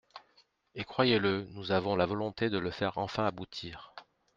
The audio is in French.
Et croyez-le, nous avons la volonté de le faire enfin aboutir.